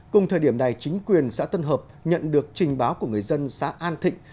cùng thời điểm này chính quyền xã tân hợp nhận được trình báo của người dân xã an thịnh